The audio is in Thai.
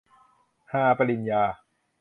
ฮา ปริญญา